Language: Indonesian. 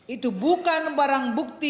itu bukan barang bukti